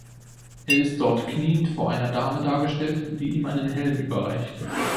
Er ist dort kniend vor einer Dame dargestellt, die ihm einen Helm überreicht.